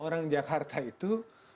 jadi di jakarta itu